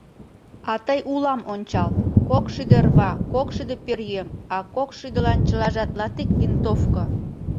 А тый улам ончал: кокшӱдӧ рва, кокшӱдӧ пӧръеҥ, а кокшӱдылан чылажат... латик винтовко!